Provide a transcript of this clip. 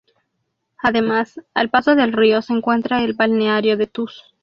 Además, al paso del río, se encuentra el Balneario de Tus.